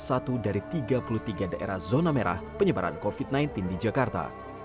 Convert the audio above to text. satu dari tiga puluh tiga daerah zona merah penyebaran covid sembilan belas di jakarta